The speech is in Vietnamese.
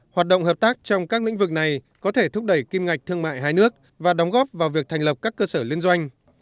hoạt động hợp tác trong các lĩnh vực này có thể thúc đẩy kim ngạch thương mại hai nước và đóng góp vào việc thành lập các cơ sở liên doanh